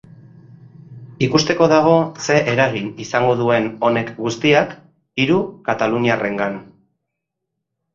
Ikusteko dago ze eragin izango duen honek guztiak hiru kataluniarrengan.